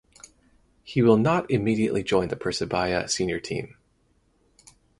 He will not immediately join the Persebaya senior team.